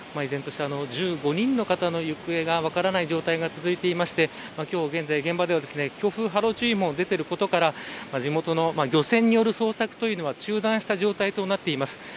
依然として１５人の方の行方が分からない状態が続いていまして今日、現在、現場では強風波浪注意報も出ていることから地元の漁船による捜索というのは中断した状態となっています。